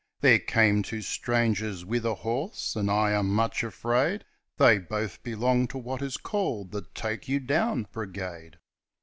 There came two strangers with a horse, and I am much afraid They both belonged to what is called "the take you down brigade".